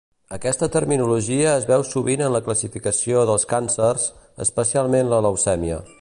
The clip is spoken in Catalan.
Aquesta terminologia es veu sovint en la classificació dels càncers, especialment la leucèmia.